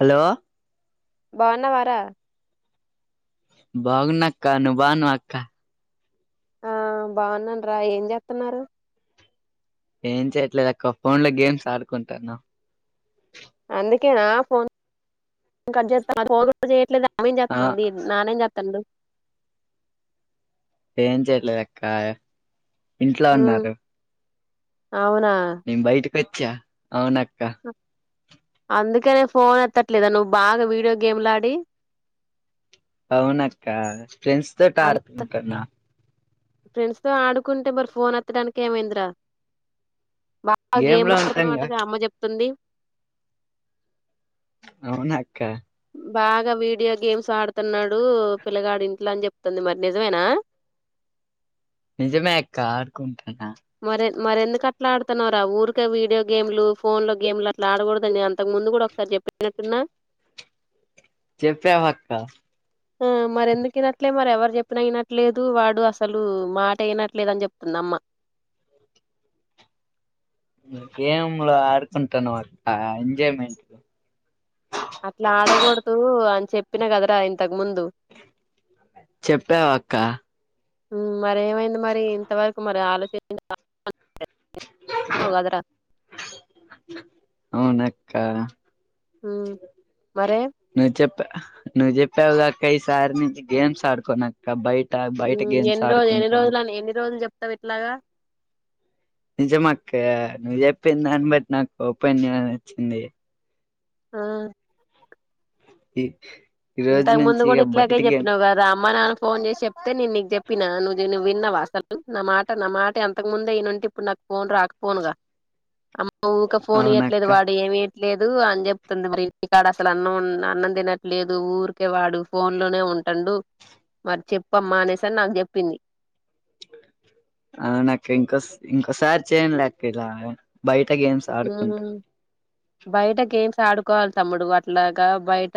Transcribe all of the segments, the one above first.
Hello బావున్నవారా? బాగున్న అక్క నువ్ బావున్నావా అక్క ఆ బావున్నాను రా ఏం చేత్తాన్నారు? ఏం చేయట్లేదు అక్క ఫోన్ లో గేమ్స్ ఆడుకుంటానాం. అందుకేనా ఫోన్ కట్ చేస్తన్నావ్ అది ఫోన్ కూడా చేయట్లేదు. అమ్మేం ఆ చేతంది నానేం చేతండు? ఏం చేయట్లే అక్క ఇంట్లో ఉన్నారు. అవునా పిచ్చ అవునా అ అందుకేనే ఫోన్ ఎత్తట్లేదా నువ్వు బాగా వీడియో గేమ్లా ఆడి అవునక్క ఫ్రెండ్స్ తో ఆడుతుంటున్న ఫ్రెండ్స్ తో ఆడుకుంటే మరి ఫోన్ ఎత్తడానికి ఏమైందరా? బాగా గేమ్ గేమ్లు లో ఉంటాంగా ఆడుతున్నవటగా అమ్మ చెప్తుంది. అవునా అక్క బాగా వీడియో గేమ్స్ ఆడుతున్నాడు. దూ పిల్లగాడు ఇంట్లో అని చెప్ తంది మరి నిజమేనా నిజమే ఎక్క ఆడుకుంటా ఉ అ మరి మరెందుకు అట్లా ఆడుతున్నవు రా ఊరికే వీడియో గేమ్లు, ఫోన్ లో గేమ్లు, అట్లా ఆడకూడదని అంతకు ముందు కూడా ఒకసారి చెప్పినట్టున్నా. చెప్పావక్క ఊ మరి ఎందుకినట్లే మరి ఎవరు చెప్పిన యినట్లేదు వాడు అసలు మాట యినట్లేదు అని చెప్తుంది అమ్మ. గేమ్ లో ఆడుకుంటాను అట్ట ఎంజాయ్మెంట్ అట్లా ఆడకూడదు అని చెప్పిన కదరా ఇంతకు ముందు చెప్పావా అక్క ఉ మర ఏమైంది మరి ఇంతవరకు మరి ఆలో [unintelligible] ద్ర అవున అక్క మర నువ్ చెప్పవ్ గా అక్క ఈ సారి నించి గేమ్స్ ఆడుకోనక్క బయట బయట గేమ్స్ ఎన్ని రోజు ఎన్ని ఆడుకుంటా రోజులుని ఎన్ని రోజులు చెప్తా పె గా నిజం అక్క నువ్వు చెప్పింది దాన్ని బట్టి నాకు ఓపన్ వచ్చింది ఆ ఇ ఇంతకు ముందు కూడా ఇట్లాకే చెప్పినావు కదా రామ్ అమ్మ నాన్న ఫోన్ చేసి చెప్తే నేను నీకు చెప్పిన నువ్వు నువ్వు విన్నావా అసలు నా మాట నా మాట ఇంతకు ముందే ఈయనుంటే ఇప్పుడు నాకు ఫోన్ రాకపోనుగా క ఫోన్ ఇవ్యట్లేదు అవునక్క వాడు ఏమి లేదు అని చెప్తుంది మరి ఇకాడ అసలు అన్నం అన్నం తినట్లేదు ఊరికే వాడు ఫోన్ లోనే ఉంటండు మరి చెప్పమ్మా అనేసని నాకు చెప్పింది అవు నాకు ఇంకో ఇంకోసారి చేయలేక ఇలా బయట ఇంత గేమ్స్ ఆడుకుంటా బయట గేమ్స్ ఆడుకోవాలి తమ్ముడు అట్లాగా బయట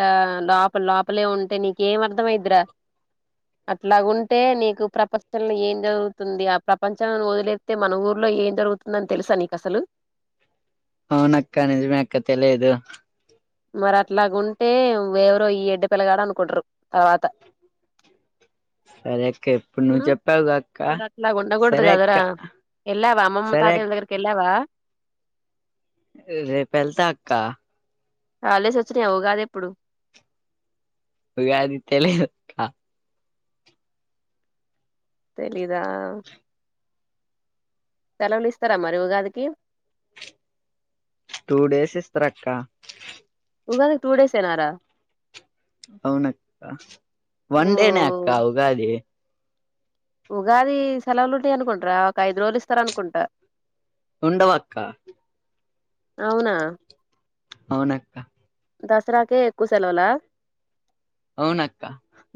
లోప లోపలే ఉంటే నీక ఏం అర్ధమైదురా అట్లా ఉంటే నీకు ప్రపంచంలో ఏం జరుగుతుంది ఆ ప్రపంచం వదిలేస్తతే మన ఊర్లో ఏం జరుగుతుందని తెలుసా నీకు అసలు అవున అక్క నిజమే అక్క తెలియదు మరి అట్లాగా ఉంటే ఎవరో ఈ ఎడ్డ పిల్గాడ అనుకుంటరు తర్వాత సరే అక్క ఇప్పుడు నువ్వు చెప్పావుగా అక్క మరి అట్లా ఉండకూడదు సరే అక్క కదరా వెళ్ళావా అమ్మమ్మ సరే తాతేయ్య దగ్గరికి వెళ్ళావా రేప వెళ్త అక్క హాలిడేస్ వచ్చినయ ఉగాది ఎప్పుడు ఉగాది తెలియదు అక్క తెలీదా సెలవులు ఇస్తారా మరి ఉగాదికి టూ డేస్ ఇస్తారక్క ఉగానే టూ డేస్ ఎనారా అవునక్క ఓ వన్ డేనే అక్క ఉగాది ఉగాది సెలవులు ఉంటాయి అనుకుంటార ఒక ఐదు రోజులు ఇస్తార అనుకుంటా ఉండవాక్క అవునా అవునక్క దసరాకే ఎక్కువ సెలవులా అవునక్క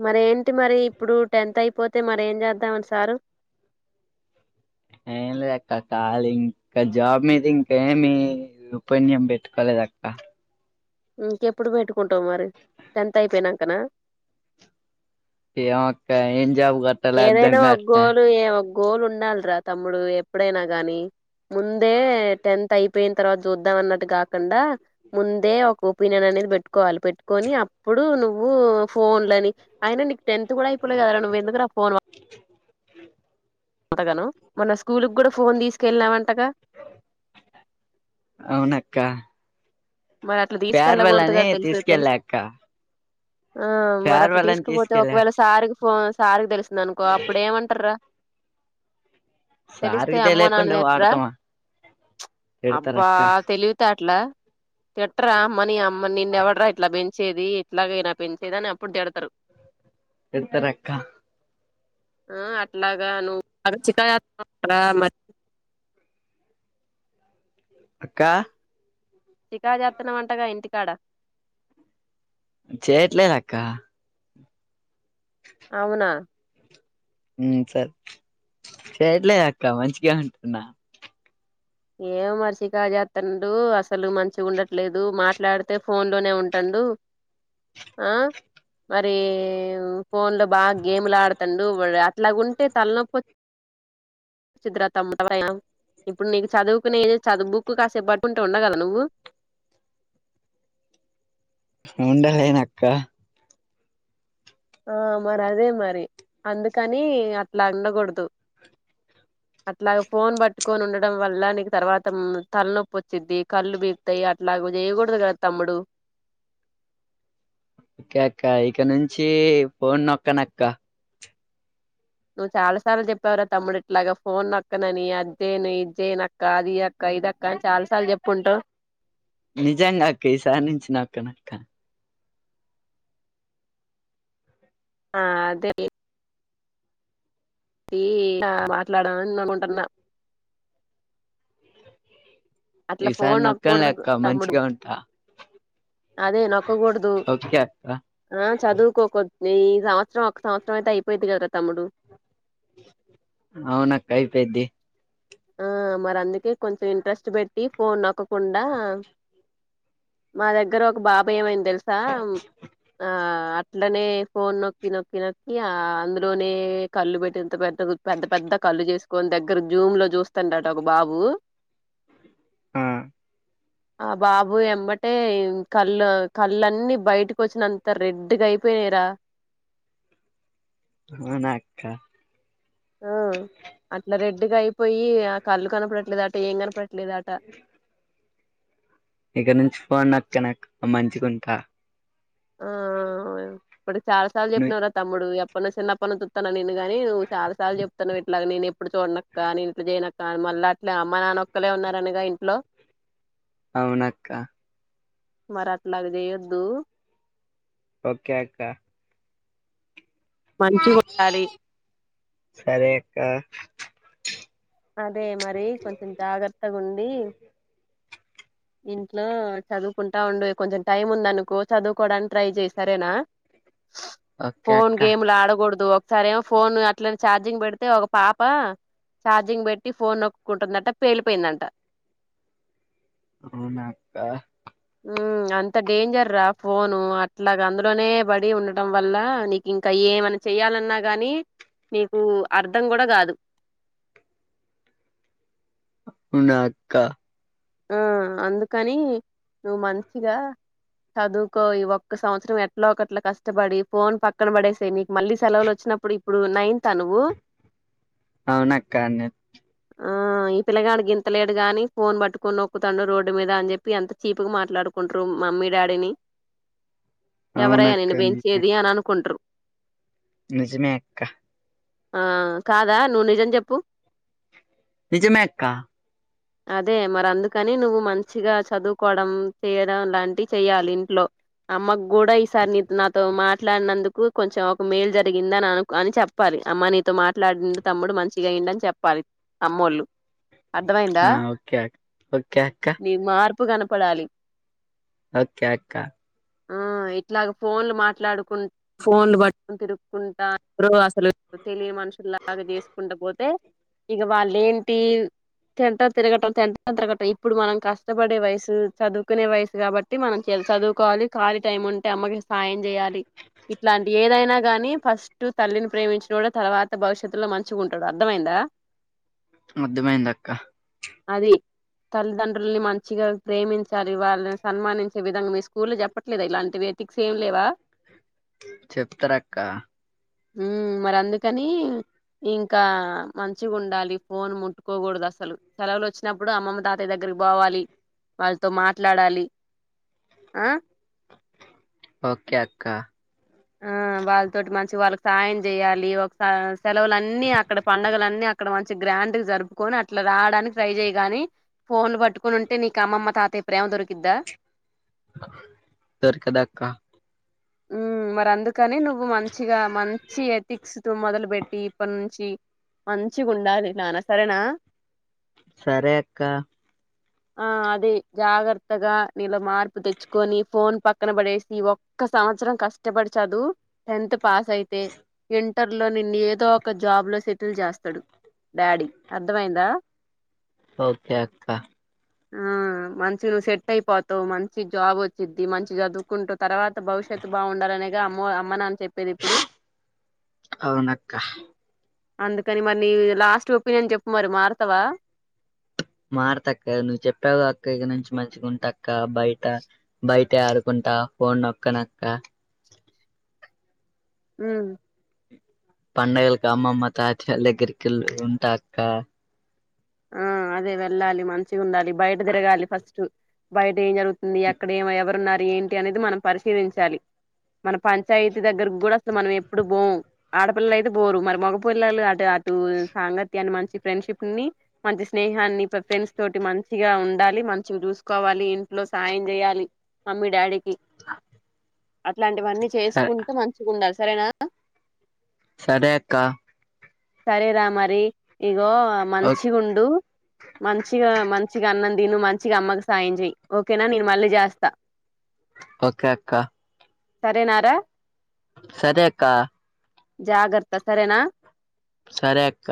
మరి ఏంటి మరి ఇప్పుడు టెన్త్ అయిపో పోతే మరీ ఏం చేద్దామని సారు ఏం లేదక్క కాలీ ఇంకా జాబ్ మీద ఇంకేమి రూపన్ం పెట్టుకోలేద అక్క ఇంకెప్పుడు పెట్టుకుంటాం మరి టెన్త్ అయిపోయినాకనా ఏమో అక్క ఏమి ఏదైనా ఒగ్గోలు ఏ ఒ్ గోల్ ఉండాలిరా తమ్ముడు ఎప్పుడైనా గాని ముందే టెన్త్ అయిపోయిన తర్వాత చూద్దాం అన్నట్టు కాకుండా ముందే ఒక ఒపీనియన్ అనేది పెట్టుకోవాలి పెట్టుకని అప్పుడు నువ్వు ఫోన్లని ఆయన టెన్త్ కూడా అయిపోలే కదారా నువెందుకు రా ఫోర్వే హ కొత్తగాను మనస్క స్కూలుకి కూడా ఫోన్ తీసుకెళ్లావంటగా అవునక్క ఫేర్వెల్ అని తెలుసు తెలుసు తీసుకెళ్ళక్క ఆ మరి అట్లా తీసుకుపోతే ఒకవేళ సారికి ఫోన్ సారికి తెలిసింది అనుకో అప్పుడు ఏమంటార రా తెలిస్తే సార్కి అమ్మో నాన్న తెలియకుండా తిట్టారా వాడతామా అబ్బా తిడతారక్క తెలివితేట ఇలా తిటరా ఆమనీ ఆమనీ నీను ఎవడు రా ఇట్లా పెంచ్ వచ్చేది ఎట్లాగైనా పెంచేది అని అప్పుడు తడతారు తిడతారు అక్క ఆ అట్లాగా నువ్వు బ చికాస్త మ అక్క చికాక్ చేస్తున్న వంటగా ఇంటికాడ చేయట్లేదు అక్క అవునా మ్మ్ సరే చేయట్లే అక్క మంచిగానే ఉంటున్నా ఎం మరి సికాక్ చేస్తుండు అసలు మంచి ఉండట్లేదు మాట్లాడితే ఫోన్ లోనే ఉంటాండు ఆ మరి ఫోన్ లో బాగా గేమ్లు ఆడుతాండు అట్లాగ ఉంటే తలనొప్పి చిత్ర ఇప్పుడు నీకు చదువుకునే ఏజ్ చదువు బుక్ కాసేపు పట్టుకుంటే ఉండగలవా నువ్వు ఉండలేను అక్క ఆ మరి అదే మరి అందుకని అట్లా ఉండకూడదు అట్లాగ ఫోన్ పట్టుకొని ఉండడం వల్ల నీకు తర్వాత తలనొప్పి వచ్చిది కళ్ళు బీపుతాయి అట్లాగ చేయకూడదు కదా తమ్ముడు ఓకే అక్క ఇక నుంచి ఫోన్ నొక్కనక్క నువ్వు చాలా సార్లు చెప్పావరా తమ్ముడు ఇట్లాగా ఫోన్ నొకనని అదిజెను ఇదిజ్జేను అక్క అది అక్క ఇదిక్క అని చాలా సార్లు చెప్పుంటావ్ నిజంగా అక్క ఈసారి నుంచి నొక్కనక్క ఆ అదే అ మాట్లాడమని అనుకుంటున్నా అట్లా ఈసారి ఫోన్ నొక్కనులే నొక్కకూడదు అక్క తమ్ముడు మంచిగా ఉంటా అదే నొక్కకూడదు ఓకే అక్క ఆ చదువుకోక సంవత్సరం ఒక్క సంవత్సరం అయితే అయిపోయిది కదా తమ్ముడు అవునక్కా అయిపోయింది ఆ మరి అందుకే కొంచెం ఇంట్రెస్ట్ పెట్టి ఫోన్ నొక్కకుండా మా దగ్గర ఒక బాబా ఏమైంది తెలుసా ఆ అట్లనే ఫోన్ నొక్కి నొక్కి నొక్కి ఆ అందులోనే కళ్ళు పెట్టింత పెద్ద పెద్ద పెద్ద కళ్ళు చేసుకొని దగ్గర జూమ్ లో చూసు వస్తంటట ఒక బాబు ఆ ఆ బాబు ఎమటే కళ్ళు కళ్ళన్ని బయటకు వచ్చిన అంత రెడ్గా అయిపోయినరా అవునాక్క ఆ అట్లా రెడ్డిగా అయిపోయి ఆ కళ్ళు కనపడట్లేదు అట ఏం కనపడ ఇ లేదాట ఇక్కడ నుంచి ఫన్ నొక్కనక్క మంచి ఉంటా అ ఆ ఇప్పుడు చాలా సార్లు ను చెప్పినవ్ రా తమ్ముడు న్న చిన్న పన్నప్పతున్నాను నేనుగాని నువ్ చాలా సార్లు చెప్తున్నావు ఇట్లాగ నేను ఇప్పుడు చూడనక్క కానీ ఇంట్ చేయన కానీ మళ్ళీ అట్లే అమ్మ నాన్న ఒక్కలేే ఉన్నారనేగా ఇంట్లో అవునక్క మరట్ల చేయొద్దు ఓకే అక్క మంచిగుండాలి సరే అక్క అదే మరి కొంచెం జాగ్రత్తగా ఉండి ఇంట్లో చదువు కుంటా ఉండు కొంచెం టైం ఉందనుకో చదువుకోవడానికి ట్రై చెయ్ సరేనా ఓకే ఫోన్ అక్క గేమ్లు ఆడకూడదు సరేమో ఫోన్ అట్లనే ఛార్జింగ్ పెడితే ఒక పాప చార్జింగ్ పెట్టి ఫోన్ నొక్కుకుంటుందంట పేలిపోయిందంట అవునాక్క అంత డేంజర్ రా ఫోను అట్లాగ అందులోనే పడి ఉండటం వల్ల నీకు ఇంకా ఏమనా చెయాలన్నా గానీ నీకు అర్ధం కూడా కాదు అవునా అక్క ఆ అందుకని నువ్వు మంచిగా చదువుకో ఈ ఒక్క సంవత్సరం ఎట్లో ఒకట్లా కష్టపడి ఫోన్ పక్కన పడేసేయి నీకు మళ్ళీ సెలవులు వచ్చినప్పుడు ఇప్పుడు నైన్త్ ఆ నువ్వు అవునక్క నైన్త్ ఆ ఈ పిల్లగాడు గింతలేడు గాని ఫోన్ పట్టుకు కొ నొక్కుతాడు రోడ్డు మీద అని చెప్పి అంత చీప్ గా మాట్లాడుకుంటారు మమ్మీ డాడీని ఎవరయ అవునక్క నిన్ను నిజమే పెంచేది అని అనుకుంటారు. నిజమే అక్క ఆ కాదా నువ్వు నిజం చెప్పు నిజమే అక్క అదే మ అందుకని నువ్వు మంచిగా చదువుకోవడం చేయడం లాంటివి చెయాలి ఇంట్లో అమ్మకు కూడా ఈసారి నీ నాతో మాట్లాడినందుకు కొంచెం ఒక మేల్ జరిగింద అని అ అని చెప్పాలి అమ్మ నీతో మాట్లాడి తమ్ముడు మంచిగయిండు అని చెప్పాలి అమ్మోళ్ళు అర్థమైందా ఆ ఓకే అక్ ఓకే అక్క నీ మార్పు కనపడాలి ఓకే అక్క ఆ ఇట్లాగ ఫోన్లు మాట్లాడుకుంటా ఫోన్లు తిరుకుంటా అసలు తెలియ మనుషుల్లాగా చేసుకుంట పోతే ఇక వాళ్లు ఏంటి సంటర్ తిరగటం ఇప్పుడు మనం కష్టపడే వయసు చదువుకునే వయసు కాబట్టి మనకి చదువుకోవాలి ఖాళీ టైం ఉంటే అమ్మకి సాయం చేయాలి ఇట్లాంటి ఏదైనా కాని ఫస్ట్ తల్లిని ప్రేమించినోడే తర్వాత భవిష్యత్తులో మంచిగా ఉంటాడు అర్థమైందా అర్థమైందాక్క అది తల్లిదండ్రుల్ని మంచిగా ప్రేమించాలి వాళ్ళని సన్మానించే విధంగా మీ స్కూల్ల్లో చెప్పట్లేదా ఇలాంటివి ఏథిక్స్ ఏం లేవా చెప్తరక్క ఉ మరి అందుకని ఇంకా మంచిగుండాలి ఫోన్ ముట్టుకోకూడదు అసలు సెలవులు వచ్చినప్పుడు అప్పుడు అమ్మమ్మ తాతయ్య దగ్గరికి పోవాలి వాళ్ళతో మాట్లాడాలి ఆ ఓకే అక్క ఆ వాళ్ళతోటి మంచి వాళ్ళక్ సాయం చేయాలి ఒక స సెలవులన్నీ అక్కడ పండగల అన్నీ అక్కడ మ చి గ్రాండ్ జరుపుకొని అట్ల రావడానికి ట్రై చేయ్ గాని, ఫోన్లు పట్టుకుని ఉంటే నీకు అమ్మమ్మ, తాతయ్య ప్రేమ దొరికిద్దా. దొరకదక్క ఉమ్ మరి అందు కానీ నువ్వు మంచిగా మంచి ఎథిక్స్ తొ మొదలు పెట్టి ఇప్పనుంచి. మంచిగుండాలి నానా సరేనా. సరే అక్క. ఆ అది జాగ్రత్తగా నీలో మార్పు తెచ్చుకొని ఫోన్ పక్కన పడేసి ఒ క్క సంవచ్రం కష్టపడి చదు టెన్త్ పాస్ అయితే ఇం టర్లో నిన్ను ఏదో ఒక జాబ్లో సెటిల్ చేస్తాడు, డాడీ అర్థవైందా. ఓకే అక్క ఆ మంచి నువ్వు సెట్టైయ్ పోతావు మంచి జాబ్ వచ్చిద్ది, మంచి చదువుకుంటు తర్వా త భవిష్యత్ బావుండాలనేగా అమ్మవ అమ్మనా అవునక్క అందుకని మరి నీ లాస్ట్ ఒపీనియన్ చెప్పు మరి మారతవా. మారతక్క నువ్వు చెప్పావు అక్క ఇగనుంచి మంచిగ ఉంటక్క బైట, బైటె ఆడుకుంటా ఫోన్ నొక్కనక్క హ్మ్ పండగలకి అమ్మమ్మ, తాతళ్ళ్ దగ్గరికి కెళ్ ఉంటా అక్క. ఆ అదే వెళ్ళాలి మంచిగా ఉండాలి, బయట తిరగాలి ఫస్ట్ బయట ఏం జరు ని యెక్కడ ఏమై ఎవరున్నారు. ఏంటి అనేది మనం పరిశీలించాలి, మన పంచాయతీ దగ్గరకు కూడా అసలు మనం ఎప్పుడు బొము, ఆడపిల్లలైయితే బొరు మరి మగ పిల్లలు అటె అటు సాంగత్యాన్ని మంచి ఫ్రెండ్షిప్ని మంచి స్నేహాన్ని ఫె ఫ్రెండ్స్ తోటి మంచిగా ఉండాలి, మంచివి చూసుకోవాలి, ఇంట్లో సాయం చేయాలి. మమ్మీ, డాడీ కి, అట్లాంటివన్నీ సరే చేసుకుంటూ మంచిగుండాలి. సరేనా సరే అక్క సరే రా మరి, ఇ రొ ఓ మంచిగ ఉండు మంచిగా మంచిగా అన్నం తిను మంచి ంచిగా అమ్మకు సాయం చెయ్, ఓకేనా నేను మళ్ళీ చేస్తా ఓకే అక్కా సరేనా రా సరే అక్క జాగర్త సరేనా. సరే అక్క